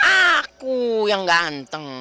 aku yang ganteng